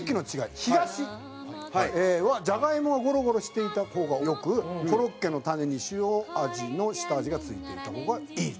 東はじゃがいもがゴロゴロしていた方がよくコロッケの種に塩味の下味がついていた方がいいと。